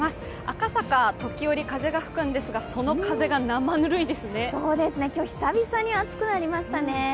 赤坂、時折風が吹くんですがその風が今日久々に熱くなりましたね。